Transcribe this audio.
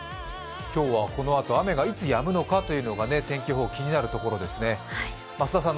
今日はこのあと雨がいつやむのか、天気予報気になるところですね。